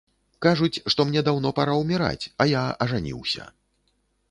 Кажуць, што мне даўно пара ўміраць, а я ажаніўся.